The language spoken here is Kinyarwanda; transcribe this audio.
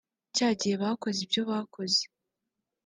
cyagihe bakoze ibyo bakoze